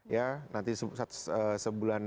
ya nanti sebulan